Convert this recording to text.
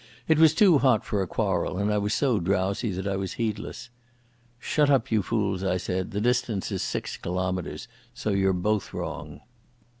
It was too hot for a quarrel and I was so drowsy that I was heedless. "Shut up, you fools," I said. "The distance is six kilometres, so you're both wrong."